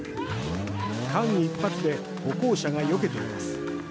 間一髪で歩行者がよけています。